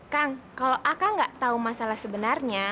kang kalau aka gak tau masalah sebenarnya